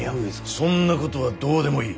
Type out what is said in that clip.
そんなことはどうでもいい。